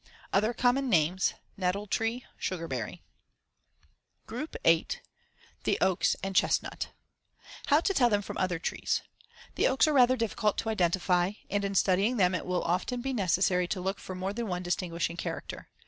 Other common names: Nettle tree; sugarberry. GROUP VIII. THE OAKS AND CHESTNUT How to tell them from other trees: The oaks are rather difficult to identify and, in studying them it will often be necessary to look for more than one distinguishing character.